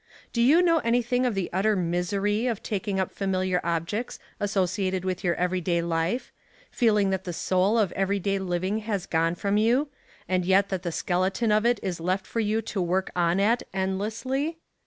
Do you know any thing of the utter misery of taking up familiar objects associated with your everyday life, feeling that the soul of everyday living has gone from you, and yet that the skeleton of it is left for you to work on at endlessly